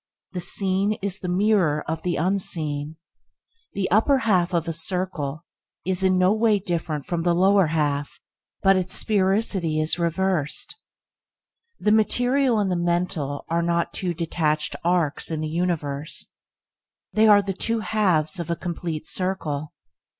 The seen is the mirror of the unseen. The upper half of a circle is in no way different from the lower half, but its sphericity is reversed. The material and the mental are not two detached arcs in the universe, they are the two halves of a complete circle.